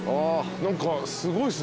何かすごいっすね。